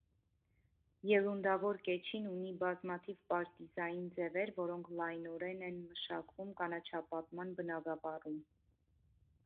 Ելունդավոր կեչին ունի բազմաթիվ պարտիզային ձևեր, որոնք լայնորեն ենմշակվում կանաչապատման բնագավառում։